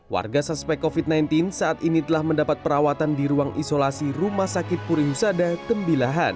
warga suspek covid sembilan belas saat ini telah mendapat perawatan di ruang isolasi rumah sakit puri husada tembilahan